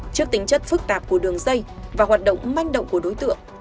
trước tính chất phức tạp của đường dây và hoạt động manh động của đối tượng